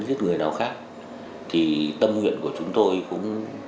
giết người nào khác thì tâm nguyện của chúng tôi cũng